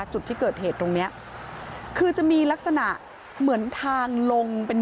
จุดที่เกิดเหตุตรงเนี้ยคือจะมีลักษณะเหมือนทางลงเป็น